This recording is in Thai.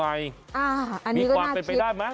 อันนี้ก็น่าคลิปมีความเป็นไปได้ไหม